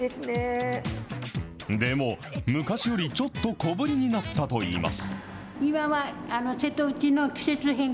昔よりちょっと小ぶりになったといいます。